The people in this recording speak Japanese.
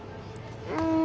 うん。